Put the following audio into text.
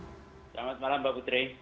selamat malam mbak putri